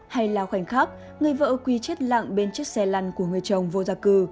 hay lao khoảnh khắc người vợ quy chết lặng bên chiếc xe lăn của người chồng vô gia cư